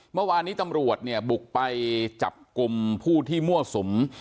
เมื่อวานนี้ตำรวจเนี่ยบุกไปจับกลุ่มผู้ที่มั่วสุม